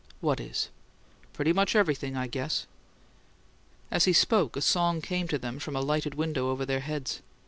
"What is?" "Pretty much everything, I guess." As he spoke, a song came to them from a lighted window over their heads.